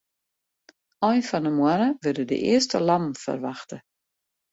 Ein fan 'e moanne wurde de earste lammen ferwachte.